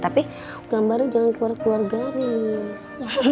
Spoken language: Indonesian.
tapi gambarnya jangan keluar keluar garis